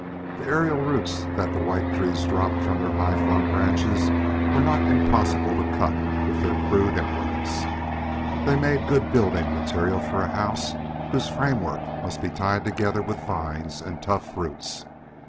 The aerial roots that the white trees dropped from their high flung branches were not impossible to cut with their crude implements; they made good building material for a house whose framework must be tied together with vines and tough roots.